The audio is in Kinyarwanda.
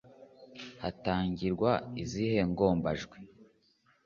atangirwa n’izihe ngombajwi?